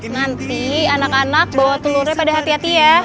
nanti anak anak bawa telurnya pada hati hati ya